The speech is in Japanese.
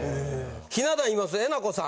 ひな壇いますえなこさん。